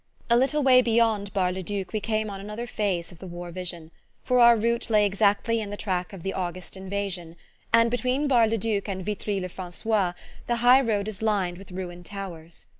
A little way beyond Bar le Duc we came on another phase of the war vision, for our route lay exactly in the track of the August invasion, and between Bar le Duc and Vitry le Francois the high road is lined with ruined towns.